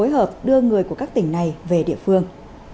hợp đưa người của các tỉnh này về địa phương